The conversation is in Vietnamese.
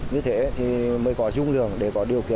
như thế thì mới có dung lượng để có điều kiện